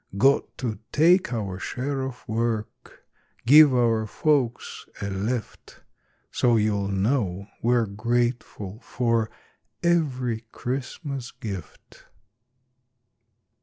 Got to take our share of work, Give our folks a lift. So you'll know we're grateful for Every Christmas gift.